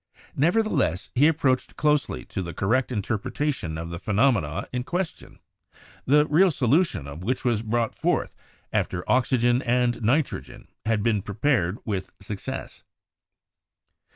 Neverthe less, he approached closely to the correct interpretation of the phenomena in question, the real solution of which was brought forth after oxygen and nitrogen had been prepared with success.